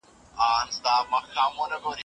ناپوهه سړی ځان ته تاوان رسوي.